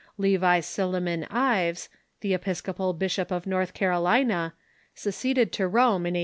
Levi Silliman Ives, the Episcopal bishop of North Carolina, seceded to Rome in 1852.